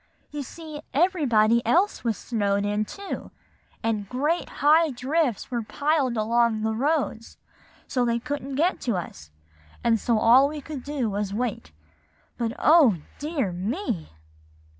You see, everybody else was snowed in too; and great high drifts were piled along the roads, so they couldn't get to us, and so all we could do was to wait. But, oh, dear me!"